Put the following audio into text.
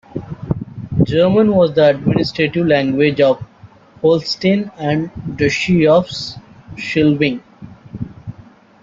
German was the administrative language of Holstein and the Duchy of Schleswig.